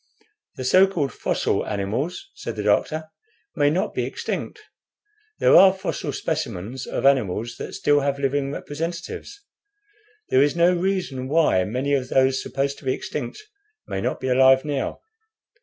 "The so called fossil animals," said the doctor, "may not be extinct. There are fossil specimens of animals that still have living representatives. There is no reason why many of those supposed to be extinct may not be alive now.